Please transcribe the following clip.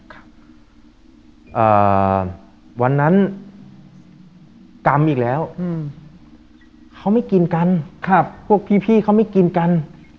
กำอีกแล้วเขาไม่กินกันพวกพี่เขาไม่กินกัน